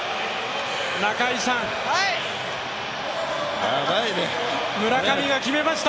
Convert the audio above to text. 中居さん、村上が決めました。